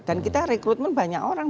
dan kita rekrutmen banyak orang